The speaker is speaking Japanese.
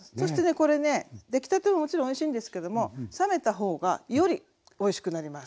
これね出来たてももちろんおいしいんですけども冷めた方がよりおいしくなります。